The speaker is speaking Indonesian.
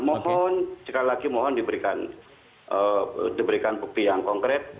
mohon sekali lagi mohon diberikan bukti yang konkret